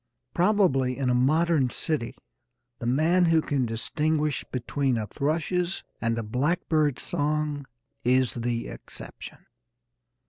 Probably in a modern city the man who can distinguish between a thrush's and a blackbird's song is the exception.